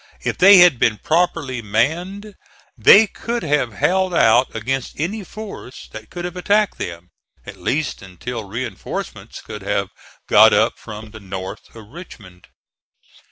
If they had been properly manned they could have held out against any force that could have attacked them, at least until reinforcements could have got up from the north of Richmond.